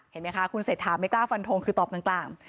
เห็นไหมคะคุณเศรษฐาไม่กล้าฟันทงคือตอบกลาง